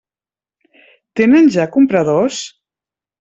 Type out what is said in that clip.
Tenen ja compradors?